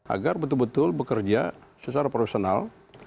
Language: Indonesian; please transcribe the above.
agar betul betul bekerja secara profesional